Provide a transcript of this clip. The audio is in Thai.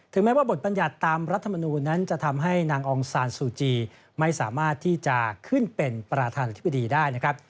แม้ว่าบทบรรยัติตามรัฐมนูลนั้นจะทำให้นางองซานซูจีไม่สามารถที่จะขึ้นเป็นประธานาธิบดีได้นะครับ